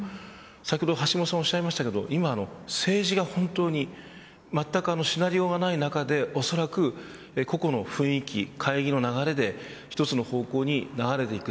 先ほど橋下さんがおっしゃいましたけど政治が本当にまったくシナリオがない中でおそらく個々の雰囲気、会議の流れで一つの方向に流れていく。